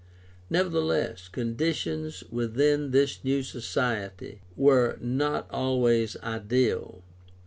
Nevertheless conditions within this new society were not always ideal.